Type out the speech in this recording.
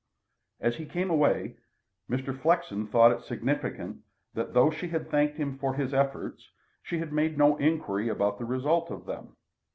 As he came away, Mr. Flexen thought it significant that, though she had thanked him for his efforts, she had made no inquiry about the result of them.